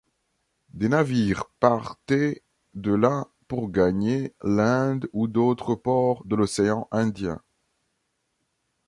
Des navires partaient de là pour gagner l’Inde ou d’autres ports de l’Océan Indien.